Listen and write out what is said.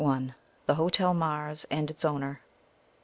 THE HOTEL MARS AND ITS OWNER.